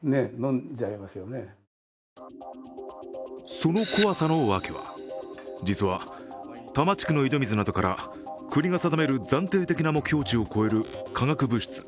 その怖さのわけは、実は多摩地区の井戸水などから国が定める暫定的な目標値を超える化学物質。